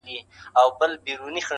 کله کله زړه وشي چې غزل وليکو: